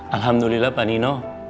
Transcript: alhamdulillah pak nino